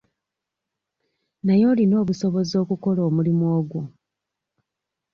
Naye olina obusobozi okukola omulimu ogwo?